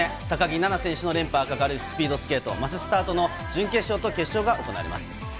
高木菜那選手の連覇がかかるスピードスケートマススタートの準決勝と決勝が行われます。